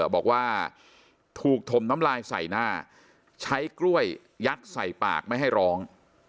บอกว่าถูกถมน้ำลายใส่หน้าใช้กล้วยยัดใส่ปากไม่ให้ร้อง